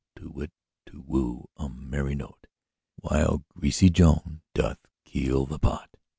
To whit, Tu whoo! A merry note! While greasy Joan doth keel the pot.